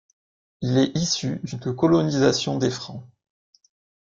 Il est issu d'une colonisation des Francs.